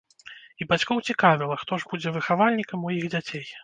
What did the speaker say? І бацькоў цікавіла, хто ж будзе выхавальнікам у іх дзяцей.